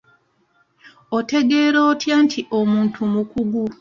Otegeera otya nti omuntu mukugu?